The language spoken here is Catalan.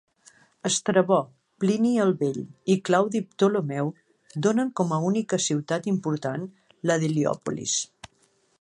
Estrabó, Plini el Vell i Claudi Ptolemeu donen com a única ciutat important la d'Heliòpolis.